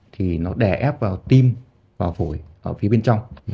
thì nó đè ép vào tim vào phổi ở phía bên trong